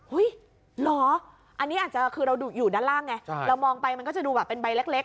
เหรออันนี้อาจจะคือเราอยู่ด้านล่างไงเรามองไปมันก็จะดูแบบเป็นใบเล็ก